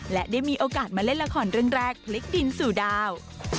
และได้มีโอกาสมาเล่นละครเรื่องแรกพลิกดินสู่ดาว